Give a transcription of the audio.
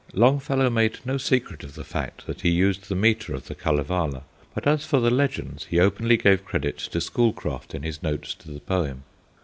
Longfellow made no secret of the fact that he had used the meter of the Kalevala; but as for the legends, he openly gave credit to Schoolcraft in his notes to the poem.